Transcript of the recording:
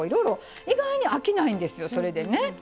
意外に飽きないんですよそれでね。